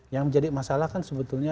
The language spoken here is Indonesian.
yang menjadi masalah kan sebetulnya